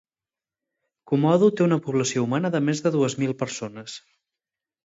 Komodo té una població humana de més de dues mil persones.